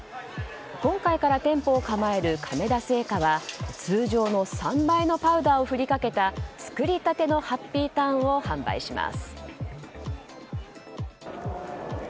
今回から店舗を構える亀田製菓は通常の３倍のパウダーを振りかけた作り立てのハッピーターンを販売します。